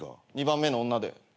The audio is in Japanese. ２番目の女で。